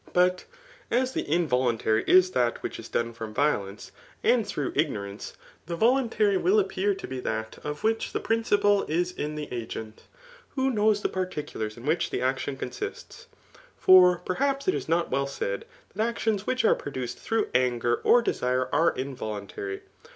But as the involuntary is that which is done from violence, and through ignorance, the voluntary will appear to be that of which the principle is in the agent, who knows the particulars in which the action consists. For perhaps it is not well said, that actions which are produced through saiger or desire are involuntary.